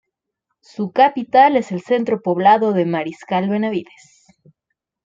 Su capital es el centro poblado de Mariscal Benavides.